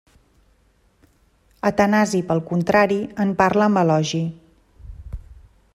Atanasi pel contrari en parla amb elogi.